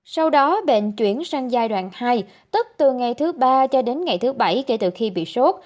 sau đó bệnh chuyển sang giai đoạn hai tức từ ngày thứ ba cho đến ngày thứ bảy kể từ khi bị sốt